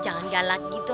jangan galak gitu